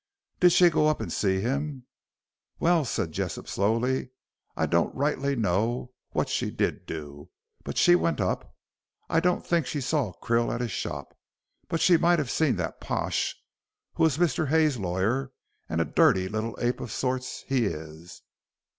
"Did she go up and see him?" "Well," said Jessop, slowly, "I don't rightly know what she did do, but she went up. I don't think she saw Krill at his shop, but she might have seen that Pash, who was Mr. Hay's lawyer, and a dirty little ape o' sorts he is."